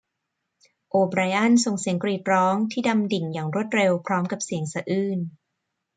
โอไบรอันส่งเสียงกรีดร้องที่ดำดิ่งอย่างรวดเร็วพร้อมกับเสียงสะอื้น